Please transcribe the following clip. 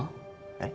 えっ？